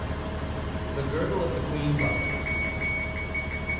THE GIRDLE OF THE QUEEN MOTHER.